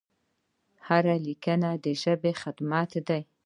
هره لیکنه د ژبې خدمت دی.